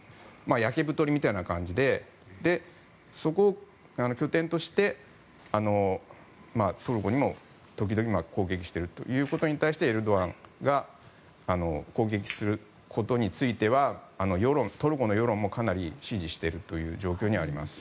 焼け太りみたいな感じでそこを拠点としてトルコにも時々攻撃していることに対してエルドアンが攻撃することについてはトルコの世論もかなり支持しているという状況にはあります。